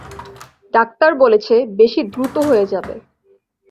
Doctor বলেছে, বেশি দ্রুত হয়ে যাবে।